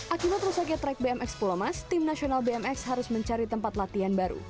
akibat rusaknya trek bmx pulemas tim nasional bmx harus mencari tempat latihan baru